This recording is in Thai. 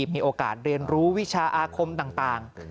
มีโอกาสเรียนรู้วิชาอาคมต่าง